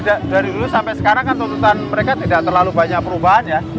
dari dulu sampai sekarang kan tuntutan mereka tidak terlalu banyak perubahan ya